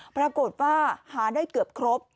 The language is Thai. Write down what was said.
ปรากฏว่าหาได้เกือบครบ